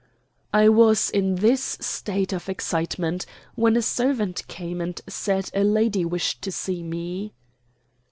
I was in this state of excitement when a servant came and said a lady wished to see me.